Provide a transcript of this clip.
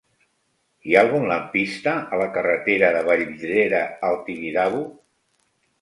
Hi ha algun lampista a la carretera de Vallvidrera al Tibidabo?